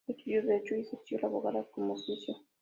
Estudió derecho y ejerció la abogacía como oficio.